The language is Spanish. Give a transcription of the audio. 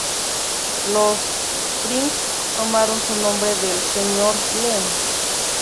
Los Springs tomaron su nombre del Sr. Glenn.